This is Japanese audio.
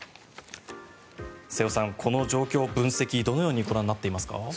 瀬尾さん、この状況・分析どのようにご覧になっていますか。